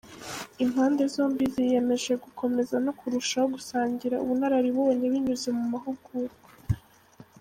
Impande zombi ziyemeje gukomeza no kurushaho gusangira ubunararibonye binyuze mu mahugurwa.